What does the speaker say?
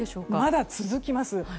まだ続きます。